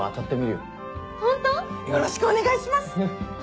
よろしくお願いします！